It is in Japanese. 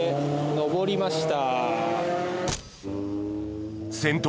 上りました。